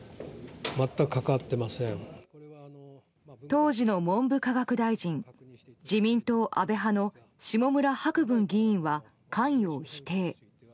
当時の文部科学大臣自民党安倍派の下村博文議員は関与を否定。